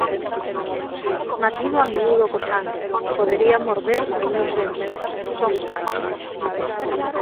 Matino a miúdo co sangue: podería morder cos meus dentes; son cándidos.